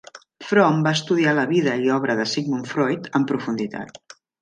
Fromm va estudiar la vida i obra de Sigmund Freud en profunditat.